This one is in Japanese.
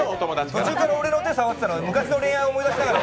途中から俺の手触ってたのは、昔の恋愛思い出して？